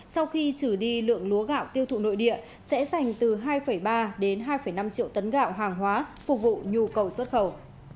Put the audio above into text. sau khi trừ đi lượng lúa gạo tiêu thụ nội địa sẽ dành từ hai ba đến hai năm triệu tấn gạo hàng hóa phục vụ nhu cầu xuất khẩu